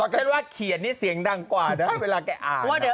ฉันว่าเขียนนี่เสียงดังกว่านะเวลาแกอ่าน